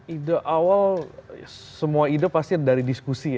ide awal semua ide pasti dari diskusi ya